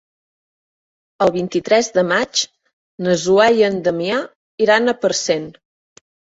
El vint-i-tres de maig na Zoè i en Damià iran a Parcent.